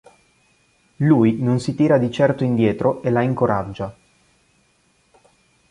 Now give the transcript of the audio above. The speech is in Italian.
Lui non si tira di certo indietro e la incoraggia.